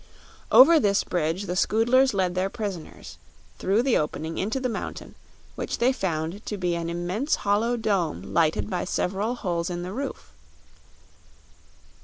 Over this bridge the Scoodlers led their prisoners, through the opening into the mountain, which they found to be an immense hollow dome lighted by several holes in the roof.